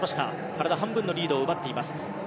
体半分のリードを奪っています。